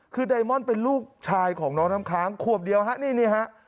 คือไดมอนด์เป็นลูกชายของน้องน้ำค้างขวบเดียวฮะนี่ฮะ